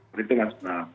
begitu mas pak